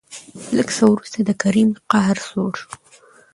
لېږ څه ورورسته د کريم قهر سوړ شو.